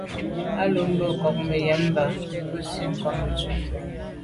A lo mbe nkôg me yen mba busi ghom tshetku.